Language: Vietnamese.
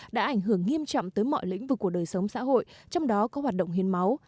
đã ảnh hưởng nghiêm trọng tới mọi lĩnh vực của đời sống xã hội trong đó có hoạt động hiến máu